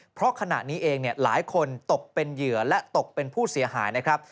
เพราะขณะนี้เองหลายคนตกเป็นเหยื่อและตกเป็นผู้เสียหายนะครับ